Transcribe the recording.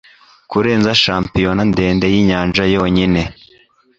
Kurenza shampiyona ndende yinyanja yonyine;